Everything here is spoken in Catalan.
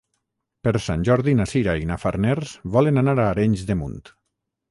Per Sant Jordi na Sira i na Farners volen anar a Arenys de Munt.